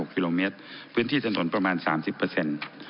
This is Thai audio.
กิโลเมตรพื้นที่ถนนประมาณ๓๐เปอร์เซ็นต์